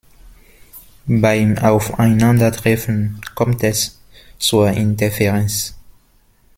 Beim Aufeinandertreffen kommt es zur Interferenz.